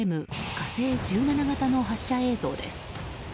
「火星１７型」の発射映像です。